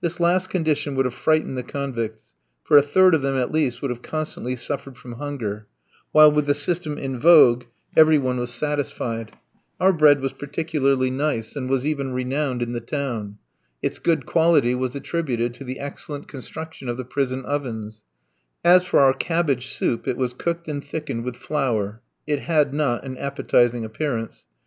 This last condition would have frightened the convicts, for a third of them at least would have constantly suffered from hunger; while, with the system in vogue, every one was satisfied. Our bread was particularly nice, and was even renowned in the town. Its good quality was attributed to the excellent construction of the prison ovens. As for our cabbage soup, it was cooked and thickened with flour. It had not an appetising appearance.